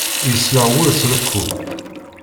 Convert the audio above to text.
Yesleɣ wul s rekku.